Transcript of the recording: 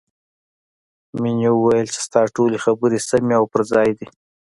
مینې وویل چې ستا ټولې خبرې سمې او پر ځای دي